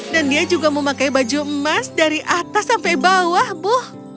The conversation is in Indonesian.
dan dia juga memakai baju emas dari atas sampai bawah bu